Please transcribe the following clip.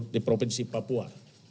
di provinsi papua